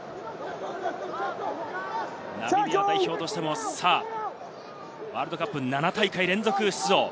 ナミビア代表としてもワールドカップ７大会連続出場。